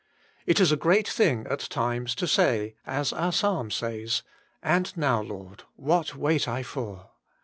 It is a great thing at times to say, as our psalm says :* And now, Lord, what wait I for?'